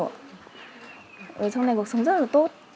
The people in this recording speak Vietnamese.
ở trong này cuộc sống rất là tốt